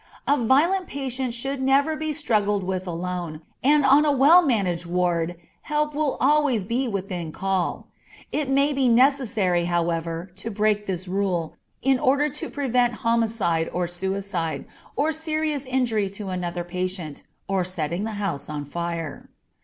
A violent patient should never be struggled with alone, and on a well managed ward help will always be within call. It may be necessary, however, to break this rule in order to prevent homicide or suicide, or serious injury to another patient, or setting the house on fire.